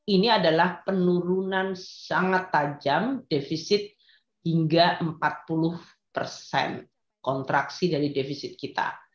ini adalah penurunan sangat tajam defisit hingga empat puluh persen kontraksi dari defisit kita